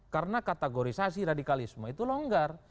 karena kategorisasi radikalisme itu longgar